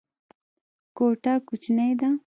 کوټه کوچنۍ ده.